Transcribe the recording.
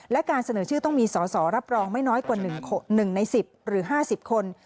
และการเสนอชื่อต้องมีสอสอรับรองไม่น้อยกว่า๑ใน๑๐หรือ๕๐คน